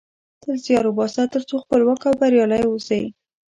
تل زیار وباسه ترڅو خپلواک او بریالۍ اوسی